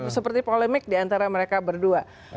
seperti polemik diantara mereka berdua